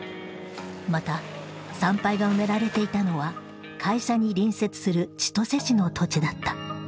また産廃が埋められていたのは会社に隣接する千歳市の土地だった。